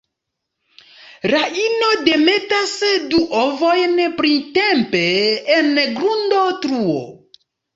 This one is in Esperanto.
La ino demetas du ovojn printempe en grunda truo.